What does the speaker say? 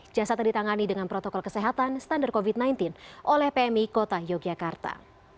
jasadnya ditangani dengan protokol kesehatan standar covid sembilan belas oleh pmi kota yogyakarta